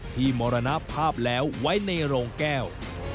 มรณภาพแล้วไว้ในโรงแก้ว